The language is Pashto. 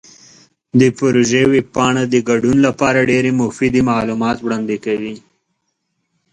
د پروژې ویب پاڼه د ګډون لپاره ډیرې مفیدې معلومات وړاندې کوي.